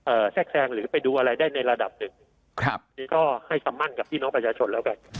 แทรกแทรงหรือไปดูอะไรได้ในระดับหนึ่งครับนี่ก็ให้คำมั่นกับพี่น้องประชาชนแล้วกัน